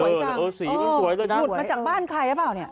หมุดมาจากบ้านใครหรือเปล่า